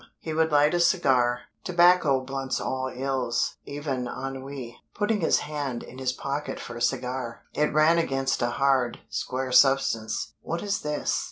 He would light a cigar. Tobacco blunts all ills, even ennui. Putting his hand in his pocket for a cigar, it ran against a hard, square substance. What is this?